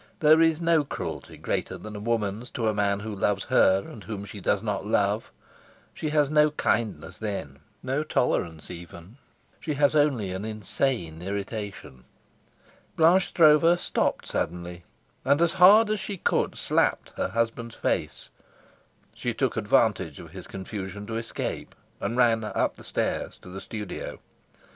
There is no cruelty greater than a woman's to a man who loves her and whom she does not love; she has no kindness then, no tolerance even, she has only an insane irritation. Blanche Stroeve stopped suddenly, and as hard as she could slapped her husband's face. She took advantage of his confusion to escape, and ran up the stairs to the studio.